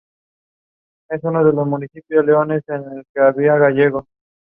The houses are shotgun houses with either Queen Anne or Craftsman influences.